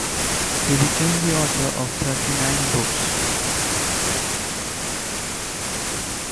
He became the author of thirty-nine books.